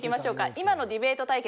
今のディベート対決